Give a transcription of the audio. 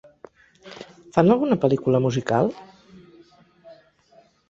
Fan alguna pel·lícula musical?